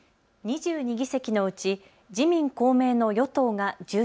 ２２議席のうち自民公明の与党が１３。